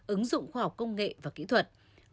ứng dụng khoa học công nghệ và kỹ thuật